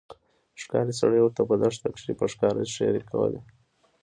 ښکارې سړي ورته په دښته کښي په ښکاره ښيرې کولې